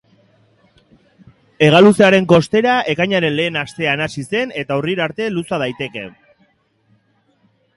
Hegaluzearen kostera ekainaren lehen astean hasi zen eta urrira arte luza daiteke.